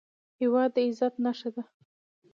هېواد د عزت نښه ده